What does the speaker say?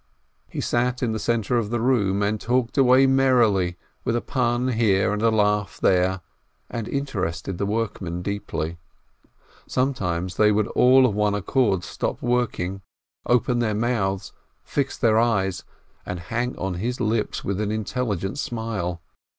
He sat in the centre of the room, and talked away merrily, with a pun here and a laugh there, and inter ested the workmen deeply. Sometimes they would all of one accord stop working, open their mouths, fix their eyes, and hang on his lips with an intelligent smile.